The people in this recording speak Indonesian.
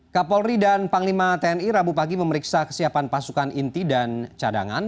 kapolri dan panglima tni rabu pagi memeriksa kesiapan pasukan inti dan cadangan